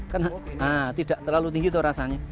karena tidak terlalu tinggi tuh rasanya